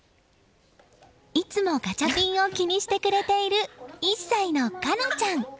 いつもガチャピンを気にしてくれている１歳の果乃ちゃん。